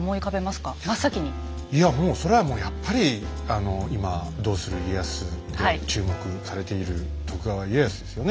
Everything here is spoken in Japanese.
いやもうそれはもうやっぱり今「どうする家康」で注目されている徳川家康ですよね。